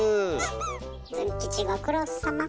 ズン吉ご苦労さま。